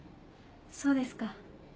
そうですか。